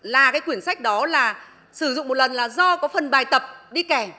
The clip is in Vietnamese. là cái quyển sách đó là sử dụng một lần là do có phần bài tập đi kẻ